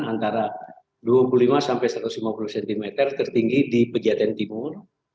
antara dua puluh lima sampai satu ratus lima puluh cm tertinggi di pejaten timur